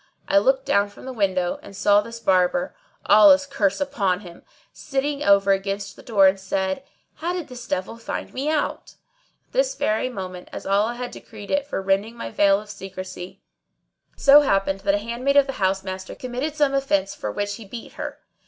I looked down from the window and saw this Barber (Allah's curse upon him!) sitting over against the door and said, "How did this devil find me out?" At this very moment, as Allah had decreed it for rending my veil of secrecy, it so happened that a handmaid of the house master committed some offence for which he beat her.